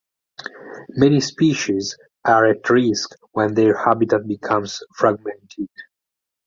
Many species are at risk when their habitat becomes fragmented.